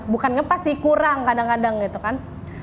bukan ngepas sih kurang kadang kadang gitu kan